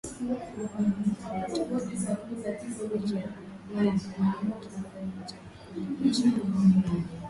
uuuuum matunda naam akiabiwa kwamba hana kibali cha kufanyia biashara naam